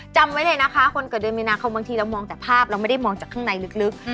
จำไว้เลยนะคะคนเกิดเดือนมีนาคมบางทีเรามองแต่ภาพเราไม่ได้มองจากข้างในลึก